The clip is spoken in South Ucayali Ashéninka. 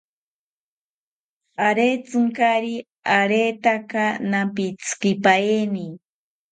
Arentzinkari rareta nampitzikipaeni